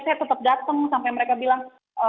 saya tetap datang sampai mereka bilang